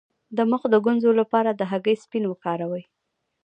د مخ د ګونځو لپاره د هګۍ سپین وکاروئ